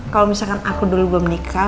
kalau misalkan aku dulu belum menikah